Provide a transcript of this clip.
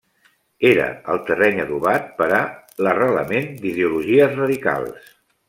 Era el terreny adobat per a l'arrelament d'ideologies radicals.